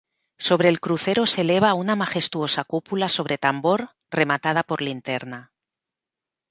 Sobre el crucero se eleva una majestuosa cúpula sobre tambor, rematada por linterna.